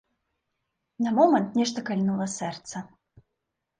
На момант нешта кальнула сэрца.